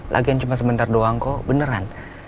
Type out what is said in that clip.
lagian cuma sebentar doang kok beneran